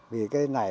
vì cái này